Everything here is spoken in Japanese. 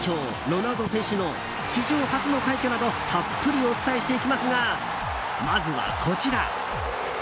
ロナウド選手の史上初の快挙などたっぷりお伝えしていきますがまずは、こちら。